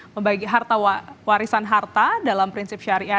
membagi harta warisan harta dalam prinsip syariah